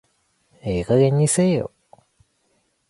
ええ加減にせえよ